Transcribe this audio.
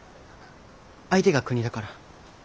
相手が国だから？